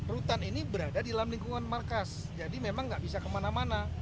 rutan ini berada di dalam lingkungan markas jadi memang nggak bisa kemana mana